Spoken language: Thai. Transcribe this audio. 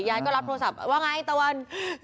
ยายก็รับโทรศัพท์ว่าไงตะวัน